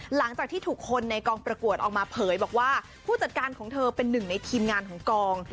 หลังจากที่ถูกคนในกองประกวดออกมาเผยบอกว่าผู้จัดการของเธอเป็นหนึ่งในทีมงานของกอง